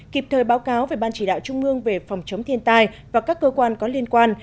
kịp thời báo cáo về ban chỉ đạo trung ương về phòng chống thiên tai và các cơ quan có liên quan